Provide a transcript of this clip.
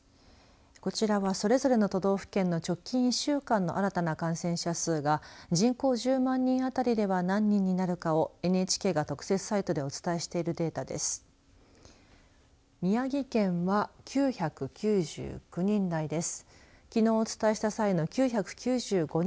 こちらは、それぞれの直近１週間の新たな感染者数が人口１０万人当たりでは何人になるかをＮＨＫが特設サイトでお伝えしているデータです。